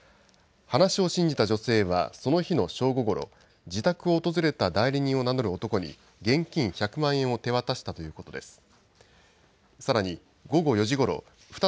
話を信じた女性はその日の正午ごろ、自宅を訪れた代理人を名乗る男に、現金１００万円を手渡したということです。